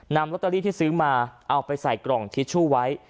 นำลอตเตอรี่ที่ซื้อมาเอาไปใส่กล่องทิชชู่ไว้